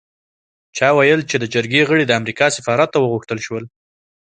چا ویل چې د جرګې غړي د امریکا سفارت ته وغوښتل شول.